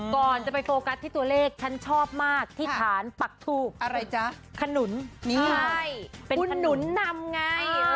ก่อนจะไปโฟกัสที่ตัวเลขฉันชอบมากที่ฐานปักทูบอะไรจ๊ะขนุนนี่ไงเป็นขนุนนำไง